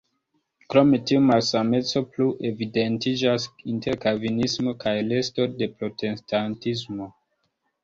Krome tiu malsameco plu evidentiĝas inter kalvinismo kaj resto de protestantismo.